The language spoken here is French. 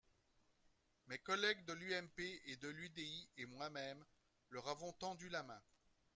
Mes collègues de l’UMP et de l’UDI et moi-même leur avons tendu la main.